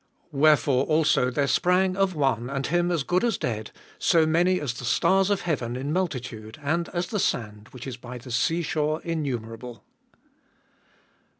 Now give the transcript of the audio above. Wherefore also there sprang of one, and him as good as dead, so many, as the stars of heaven in multitude, and as the sand, which is by the sea shore, innumerable.